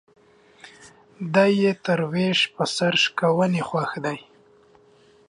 دى يې تر ويش په سر شکوني خوښ دى.